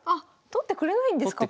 取ってくれないんです。